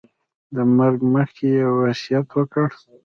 له مرګه مخکې یې وصیت وکړ.